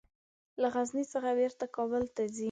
له غزني څخه بیرته کابل ته ځي.